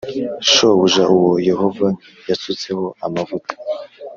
shobuja uwo Yehova yasutseho amavuta